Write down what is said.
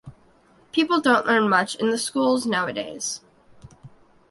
People don’t learn much in the schools nowadays.